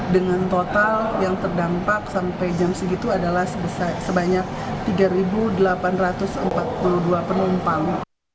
dengan total yang terdampak sampai jam segitu adalah sebanyak tiga delapan ratus empat puluh dua penumpang